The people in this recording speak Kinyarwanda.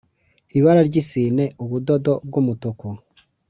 Ibara ry isine ubudodo bw umutuku